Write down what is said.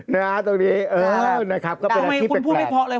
นะคะตรงนี้คุณพูดไม่เพราะเลย